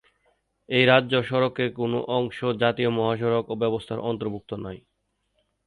এই রাজ্য সড়কের কোন অংশ জাতীয় মহাসড়ক ব্যবস্থার অন্তর্ভুক্ত নয়।